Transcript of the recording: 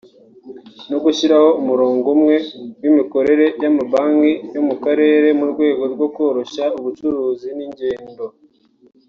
no gushyiraho umurongo umwe w’imikorere y’amabanki yo mu Karere mu rwego rwo koroshya ubucuruzi n’ingendo